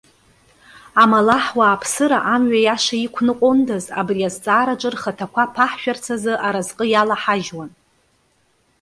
Амала ҳуааԥсыра амҩа иаша иқәныҟәондаз, абри азҵаараҿы рхаҭақәа ԥаҳшәарц азы аразҟы иалаҳажьуан.